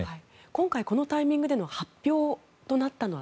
今回このタイミングでの発表となったのは？